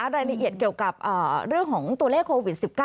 รายละเอียดเกี่ยวกับเรื่องของตัวเลขโควิด๑๙